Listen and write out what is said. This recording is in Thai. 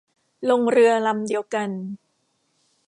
ลงเรือลำเดียวกัน